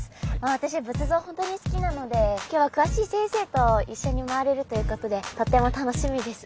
私仏像ほんとに好きなので今日は詳しい先生と一緒に回れるということでとっても楽しみです。